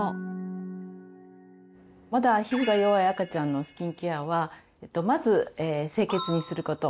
まだ皮膚が弱い赤ちゃんのスキンケアはまず清潔にすること。